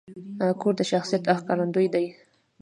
کور د شخصیت ښکارندوی دی.